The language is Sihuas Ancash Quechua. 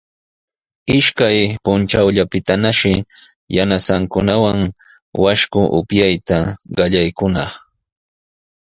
Ishkay puntrawllatanashi yanasankunawan washku upyayta qallaykunaq.